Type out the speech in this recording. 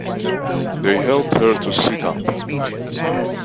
They helped her to sit up.